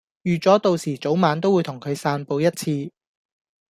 預咗到時早晚都會同佢散步一次